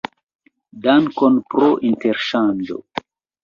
Dankon pro interŝanĝo!